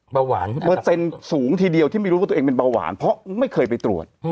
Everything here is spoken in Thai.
เบาหวานเปอร์เซ็นต์สูงทีเดียวที่ไม่รู้ว่าตัวเองเป็นเบาหวานเพราะไม่เคยไปตรวจ